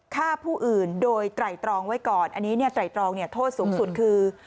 ฆ่าผู้อื่นโดยไตรตรองไว้ก่อนอันนี้ไตรตรองโทษสูงสุดคือ